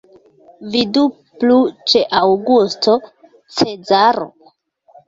Vidu plu ĉe Aŭgusto Cezaro.